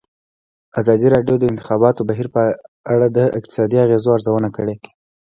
ازادي راډیو د د انتخاباتو بهیر په اړه د اقتصادي اغېزو ارزونه کړې.